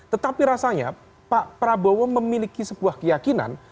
tetapi rasanya pak prabowo memiliki sebuah keyakinan